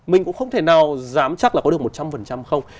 mình cũng không thể nào dám chắc là có được một trăm linh không